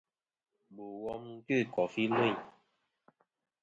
Bò wom nɨ̀n kœ̂ kòfi lvîn.